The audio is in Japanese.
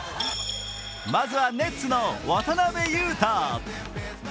まずは、ネッツの渡邊雄太。